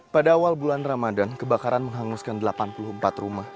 pada awal bulan ramadan kebakaran menghanguskan delapan puluh empat rumah